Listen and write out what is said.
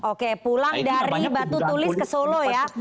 oke pulang dari batu tulis ke solo ya